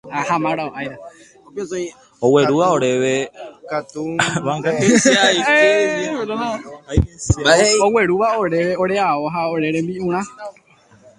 oguerúva oréve ore ao ha ore rembi'urã